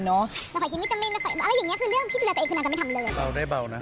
มันคอยกินวิตามินอะไรอย่างนี้คือเรื่องที่ดูแลตัวเองคือนั้นจะไม่ทำเลย